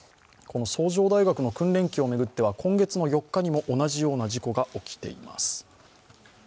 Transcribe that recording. この崇城大学の訓練機を巡っては今月４日にも同じような事故が起きています。